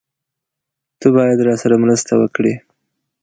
تۀ باید راسره مرسته وکړې!